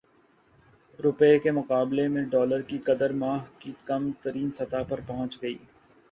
روپے کے مقابلے میں ڈالر کی قدر ماہ کی کم ترین سطح پر پہنچ گئی